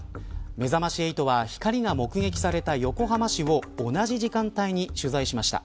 めざまし８は光が目撃された横浜市を同じ時間帯に取材しました。